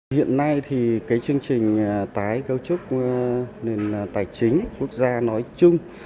hiện nay chương trình tái cấu trúc tài chính quốc gia nói chung